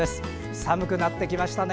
寒くなってきましたね。